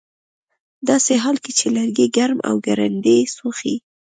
ه داسې حال کې چې لرګي ګرم او ګړندي سوځي